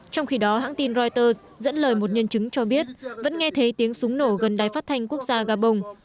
trong khi đó hãng tin reuters dẫn lời một nhân chứng cho biết vẫn nghe thấy tiếng súng nổ gần đáy phát thanh quốc gia gà bông